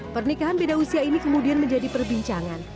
pernikahan beda usia ini kemudian menjadi perbincangan